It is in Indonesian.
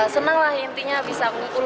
senanglah intinya bisa berkumpul